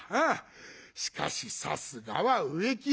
しかしさすがは植木屋。